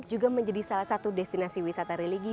juga menjadi salah satu destinasi wisata religi